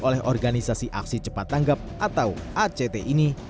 oleh organisasi aksi cepat tanggap atau act ini